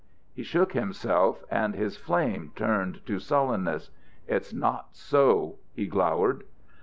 He shook himself, and his flame turned to sullenness. "It's not so," he glowered.